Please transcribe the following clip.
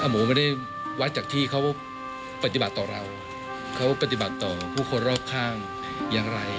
หมูไม่ได้วัดจากที่เขาปฏิบัติต่อเราเขาปฏิบัติต่อผู้คนรอบข้างอย่างไร